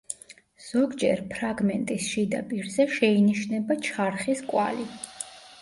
ზოგჯერ ფრაგმენტის შიდა პირზე შეინიშნება ჩარხის კვალი.